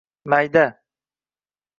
майда!